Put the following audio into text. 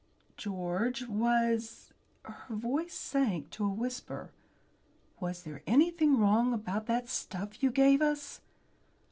"George, was" her voice sank to a whisper "was there anything wrong about that stuff you gave us?"